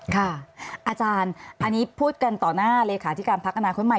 อาจารย์อันนี้พูดกันต่อหน้าเลขาธิการพักอนาคตใหม่